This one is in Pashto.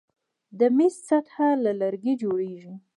د میز سطحه له لرګي جوړیږي.